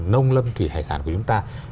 nông lâm kỳ hải sản của chúng ta